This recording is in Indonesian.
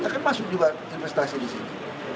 dia akan masuk juga investasi di sini